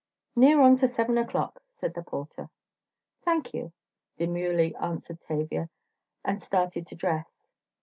"Near on to seven o'clock," said the porter. "Thank you," demurely answered Tavia, and started to dress.